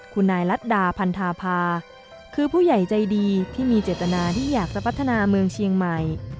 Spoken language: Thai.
คุณนายรัฐดาพันธาภาคือผู้ใหญ่ใจดีที่มีเจตนาที่อยากจะพัฒนาเมืองเชียงใหม่